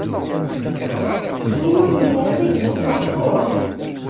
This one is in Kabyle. Win ur nesɛi tagmat meḥqur.